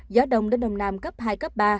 gió đông đến đồng nam cấp hai cấp ba